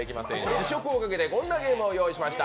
試食をかけてこんなゲームをご用意しました。